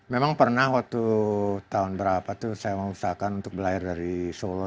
memang pernah waktu tahun berapa tuh saya mengusahakan untuk belahir dari solo